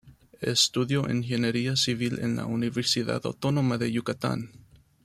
Estudió ingeniería civil en la Universidad Autónoma de Yucatán.